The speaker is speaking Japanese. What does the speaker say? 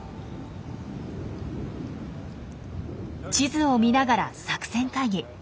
地図を見ながら作戦会議。